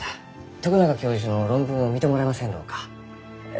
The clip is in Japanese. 徳永教授の論文を見てもらえませんろうか？え